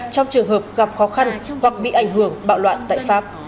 trong trường hợp gặp khó khăn hoặc bị ảnh hưởng bạo loạn tại pháp